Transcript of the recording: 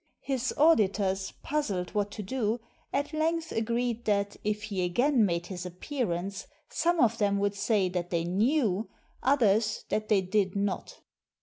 His auditors, puzzled what to do, at length agreed that, if he again made his appearance, some of them would say that they knew, others that they did not.